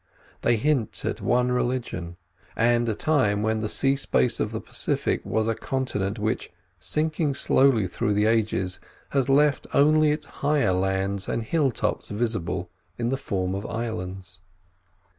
They hint at one religion, and a time when the sea space of the Pacific was a continent, which, sinking slowly through the ages, has left only its higher lands and hill tops visible in the form of islands.